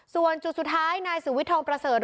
ส่วนจุดสุดท้ายนายสุวิธรปรเศรษฐ์